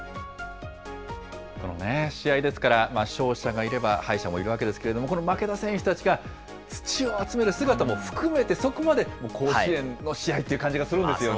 このね、試合ですから、勝者がいれば、敗者もいるわけですけども、この負けた選手たちが土を集める姿も含めてそこまで、もう、甲子園の試合って感じがするんですよね。